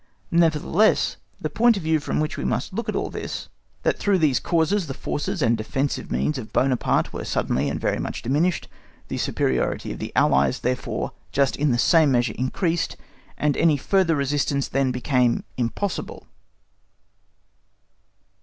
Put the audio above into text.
Nevertheless the point of view from which we must look at all this is, that through these causes the forces and defensive means of Buonaparte were suddenly very much diminished, the superiority of the Allies, therefore, just in the same measure increased, and any further resistance then became impossible.